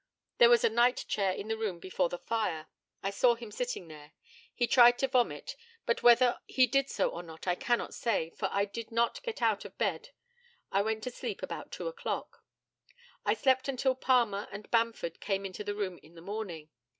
There was a night chair in the room before the fire. I saw him sitting there. He tried to vomit, but whether he did so or not I cannot say, for I did not get out of bed. I went to sleep about two o'clock. I slept until Palmer and Bamford came into the room in the morning.